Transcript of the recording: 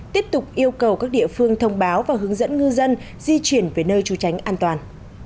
tiếp tục yêu cầu các địa phương thông báo và hướng dẫn ngư dân di chuyển về nơi trú tránh an toàn